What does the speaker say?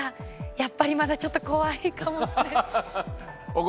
やっぱりまだちょっと怖いかもしれない。